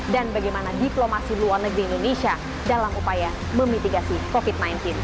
dan bagaimana diplomasi luar negeri indonesia dalam upaya memitigasi covid sembilan belas